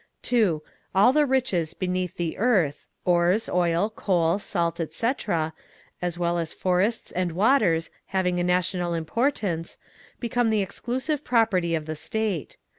2. All the riches beneath the earth—ores, oil, coal, salt, etc.—as well as forests and waters having a national importance, become the exclusive property of the State.